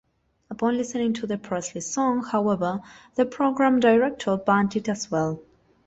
Upon listening to the Presley song, however, the program director banned it as well.